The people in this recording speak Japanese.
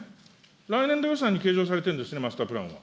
来年度予算に計上されてるんですよね、マスタープランは。